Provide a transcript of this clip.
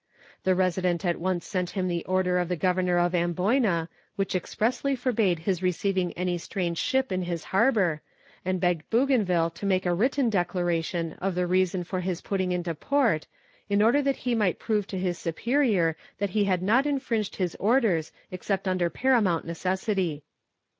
The resident at once sent him the order of the Governor of Amboyna, which expressly forbade his receiving any strange ship in his harbour, and begged Bougainville to make a written declaration of the reason for his putting into port, in order that he might prove to his superior that he had not infringed his orders except under paramount necessity.